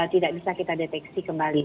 tidak bisa kita deteksi kembali